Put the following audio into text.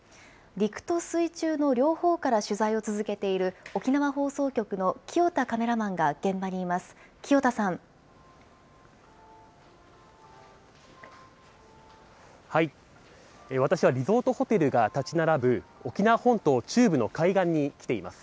陸と水中の両方から取材を続けている沖縄放送局の清田カメラマンが現場にいます。